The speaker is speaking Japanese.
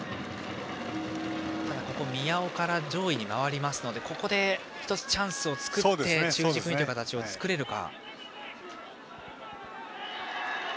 宮尾から上位に回りますのでここでチャンスを作って中軸にという形を作れるか。